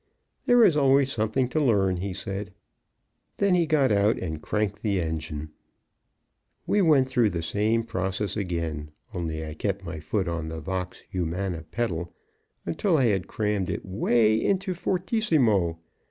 There is always something to learn, he said. Then he got out and cranked the engine. We went through the same process again, only I kept my foot on the vox humana pedal until I had crammed it 'way into fortissimo.